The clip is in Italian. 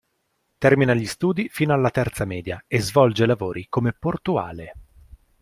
Termina gli studi fino alla terza media e svolge lavori come portuale.